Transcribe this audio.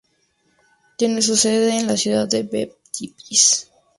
Tiene su sede en la ciudad de Ventspils.